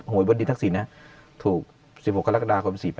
หวยบนดินทักษิณถูก๑๖กรกฎาคม๔๘